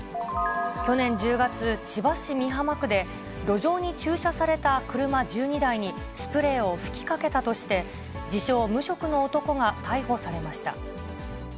去年１０月、千葉市美浜区で、路上に駐車された車１２台に、スプレーを吹きかけたとして、自称、無職の男が逮捕されました。